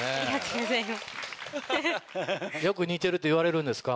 よく似てると言われるんですか？